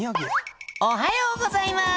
おはようございます！